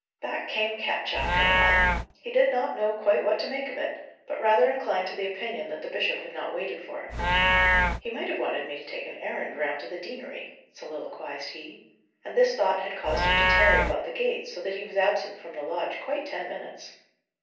Back came Ketch, after a while. He did not know quite what to make of it, but rather inclined to the opinion that the bishop had not waited for him. "He might have wanted me to take a errand round to the deanery," soliloquized he. And this thought had caused him to tarry about the gates, so that he was absent from his lodge quite ten minutes.